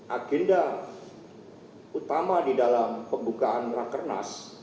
agenda utama di dalam pembukaan rakernas